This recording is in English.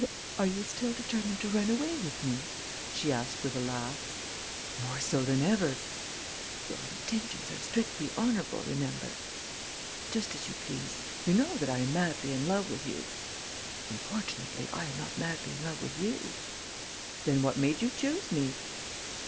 "Are you still determined to run away with me?" she asked, with a laugh. "More so than ever." "Your intentions are strictly honourable, remember!" "Just as you please. You know that I am madly in love with you." "Unfortunately I am not madly in love with you!" "Then what made you choose me?"